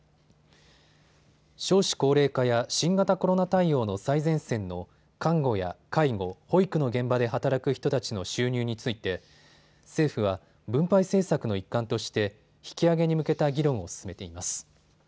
少子高齢化や新型コロナ対応の最前線の看護や介護、保育の現場で働く人たちの収入について政府は分配政策の一環として引き上げに向けた議論を進めています。